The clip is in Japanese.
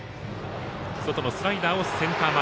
外のスライダーをセンター前。